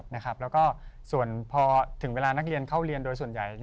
แล้วก็ส่วนพอถึงเวลานักเรียนเข้าเรียนโดยส่วนใหญ่